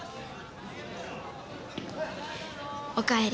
おかえり。